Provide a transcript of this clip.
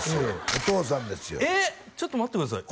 お父さんですよえっちょっと待ってください